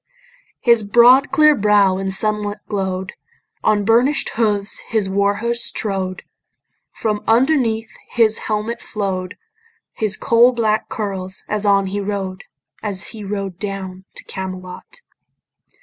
His broad clear brow in sunlight glow'd; On burnish'd hooves his war horse trode; From underneath his helmet flow'd His coal black curls as on he rode, As he rode down to Camelot.